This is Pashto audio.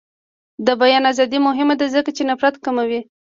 د بیان ازادي مهمه ده ځکه چې نفرت کموي.